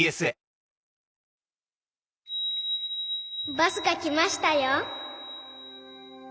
バスが来ましたよ。